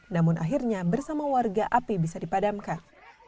namun akhirnya bersama warga api bisa dipadamkan